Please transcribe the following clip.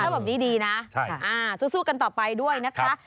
แม่งเข้าแบบนี้ดีนะสู้กันต่อไปด้วยนะคะ